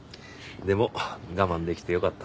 でも我慢できてよかった。